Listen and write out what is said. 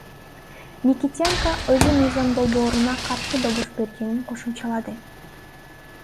Никитенко өзү мыйзам долбооруна каршы добуш бергенин кошумчалады.